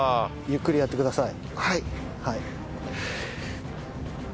ゆっくりやってください。